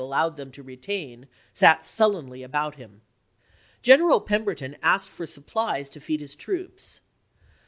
allowed them to retain, sat sullenly about him. General Pemberton asked for supplies to feed his troops.